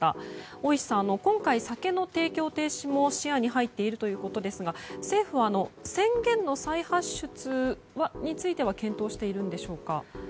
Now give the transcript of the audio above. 大石さん、今回酒の提供停止も視野に入っているということですが政府は、宣言の再発出については検討しているんでしょうか。